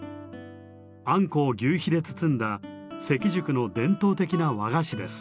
あんこを求肥で包んだ関宿の伝統的な和菓子です。